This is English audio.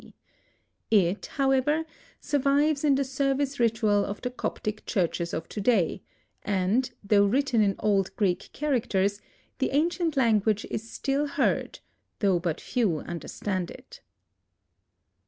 D. It, however, survives in the service ritual of the Coptic churches of to day, and, though written in old Greek characters, the ancient language is still heard, though but few understand it.